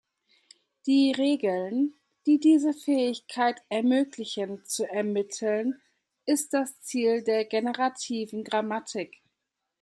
Die Regeln, die diese Fähigkeit ermöglichen, zu ermitteln, ist das Ziel der generativen Grammatik.